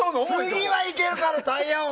次は行けるかな、タイヤ王？